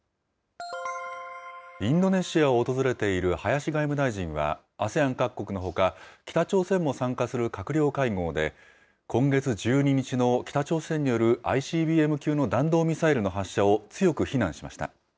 インドネシアを訪れている林外務大臣は、ＡＳＥＡＮ各国のほか、北朝鮮も参加する閣僚会合で、今月１２日の北朝鮮によるＩＣＢＭ級の弾道ミサイルの発射を強く非難しました。